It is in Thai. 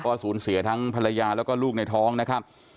ก็สูญเสียทั้งภรรยาแล้วก็ลูกในท้องนะครับ